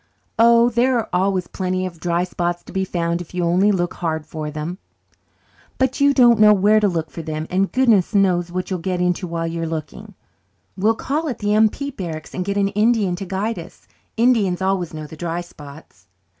"Oh, there are always plenty of dry spots to be found if you only look hard for them." "But you don't know where to look for them, and goodness knows what you'll get into while you are looking." "We'll call at the M.P. barracks and get an Indian to guide us. Indians always know the dry spots."